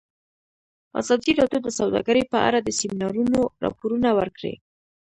ازادي راډیو د سوداګري په اړه د سیمینارونو راپورونه ورکړي.